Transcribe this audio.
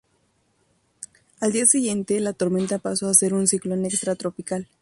Al día siguiente, la tormenta pasó a ser un ciclón extratropical.